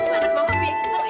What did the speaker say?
aku anak bapak pinter